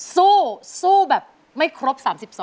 สู้สู้แบบไม่ครบ๓๒